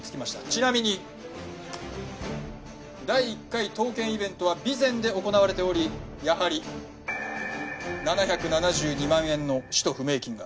ちなみに第１回刀剣イベントは備前で行われておりやはり７７２万円の使途不明金が。